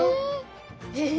え！